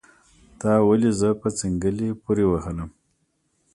تا ولې زه په څنګلي پوري وهلم